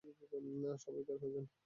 সবাই বের হয়ে যান।